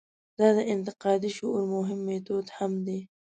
دا د انتقادي شعور مهم میتود هم دی.